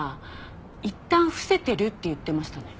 いったん伏せてるって言ってましたね。